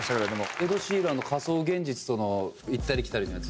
エド・シーランの仮想現実との行ったり来たりのやつ。